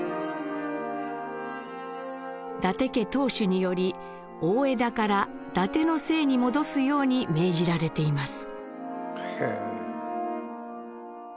伊達家当主により大條から伊達の姓に戻すように命じられています。